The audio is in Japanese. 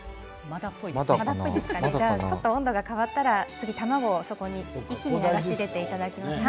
温度が変わったら卵を一気に流し入れていただきます。